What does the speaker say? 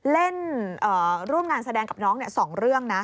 เล่นร่วมงานแสดงกับน้อง๒เรื่องนะ